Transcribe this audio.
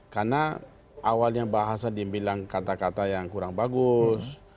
karena awalnya bahasa dibilang kata kata yang kurang bagus